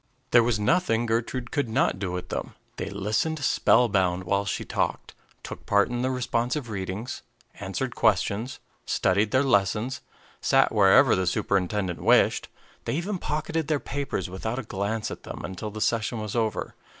There was nothing Gertrude could not do with them. They listened spellbound while she talked, took part in the responsive readings, answered questions, studied their lessons, sat wherever the superintendent wished; they even pocketed their papers without a glance at them until the session was over.